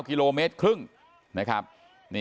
ขอบคุณทุกคน